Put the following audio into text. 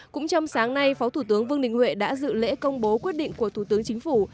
cũng trong sáng nay phó thủ tướng vương đình huệ đã dự lễ công bố quyết định của thủ tướng chính phủ